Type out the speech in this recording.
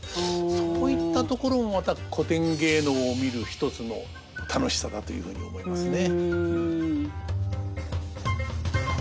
そういったところもまた古典芸能を見る一つの楽しさだというふうに思いますね。